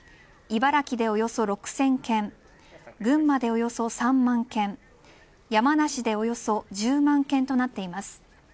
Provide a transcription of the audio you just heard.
茨城でおよそ６０００軒群馬でおよそ３万軒山梨でおよそ１０万軒となっています。